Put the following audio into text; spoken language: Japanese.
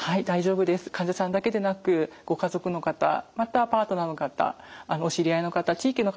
患者さんだけでなくご家族の方またパートナーの方お知り合いの方地域の方